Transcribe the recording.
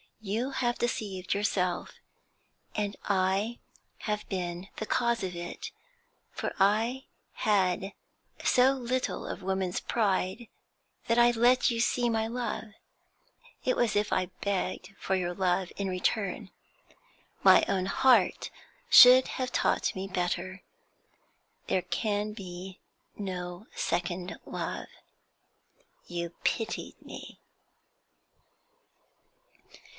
You have deceived yourself, and I have been the cause of it; for I had so little of woman's pride that I let you see my love; it was as if I begged for your love in return. My own heart should have taught me better; there can be no second love. You pitied me!'